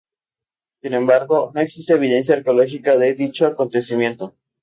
Sin embargo, no existe evidencia arqueológica de dicho acontecimiento.